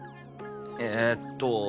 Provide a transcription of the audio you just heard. えーっと